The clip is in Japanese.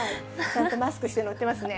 ちゃんとマスクして乗ってますね。